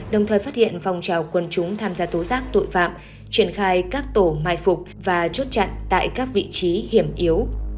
đồng thời phát hiện phòng trào quân chúng tham gia tố giác tội phạm triển khai các tổ mai phục và chốt chặn tại các vị trí hiểm yếu